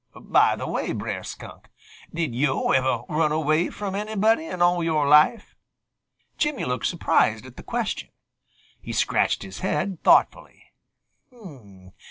By the way, Brer Skunk, did yo' ever run away from anybody in all your life?" Jimmy looked surprised at the question. He scratched his head thoughtfully.